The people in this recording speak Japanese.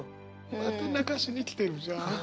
また泣かしにきてるじゃん。